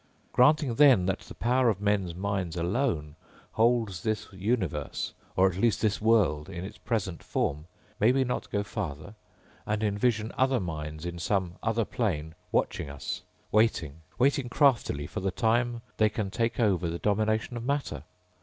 _ _Granting then that the power of men's minds alone holds this universe, or at least this world in its present form, may we not go farther and envision other minds in some other plane watching us, waiting, waiting craftily for the time they can take over the domination of matter?